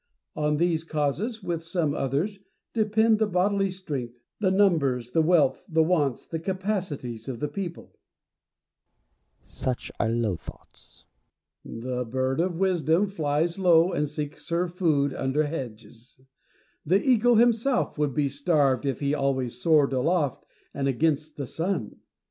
On these causes, with some others, depend the bodily strength, the numbers, the wealth, the wants, the capacities of the people. DIOGENES AND PLATO. 173 Plato. Such are low thoughts. Diogenes. The bird of wisdom 'flies low, and seeks her food under hedges : the eagle himself would be starved if he always soared aloft and against the sun.